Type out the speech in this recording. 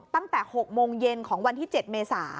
ตั้งแต่๖โมงเย็นของวันที่๗เมษา